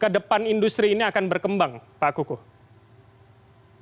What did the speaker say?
kedepan industri ini akan berkembang pak kukuh